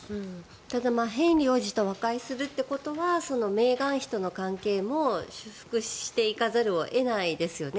ただ、ヘンリー王子と和解するということはメーガン妃との関係も修復していかざるを得ないですよね。